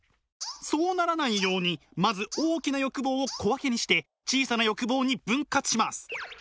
そうならないようにまず大きな欲望を小分けにして小さな欲望に分割します。